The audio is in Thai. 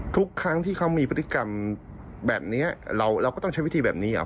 ทุกครั้งที่เขามีพฤติกรรมแบบนี้เราก็ต้องใช้วิธีแบบนี้หรอ